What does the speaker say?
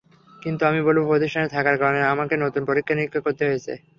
কিন্তু আমি বলব, প্রতিষ্ঠানে থাকার কারণে আমাকে নতুন পরীক্ষা-নিরীক্ষা করতে হয়েছে।